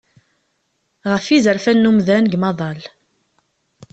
Ɣef yizerfan n umdan, deg umaḍal.